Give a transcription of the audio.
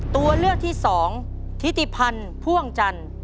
ตัวเลือกที่สองทิติพันธ์พ่วงจันทร์